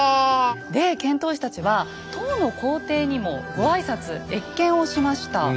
で遣唐使たちは唐の皇帝にもご挨拶謁見をしました。